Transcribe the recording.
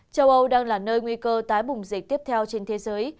châu âu đang là nơi nguy cơ tái bùng dịch tiếp theo trên thế giới